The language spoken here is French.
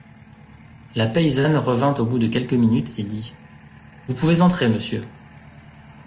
La paysanne revint au bout de quelques minutes et dit : Vous pouvez entrer, monsieur.